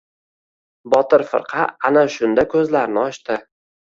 Botir firqa ana shunda ko‘zlarini ochdi.